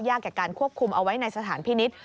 ยากอย่างการควบคุมเอาไว้ในสถานพินิฐ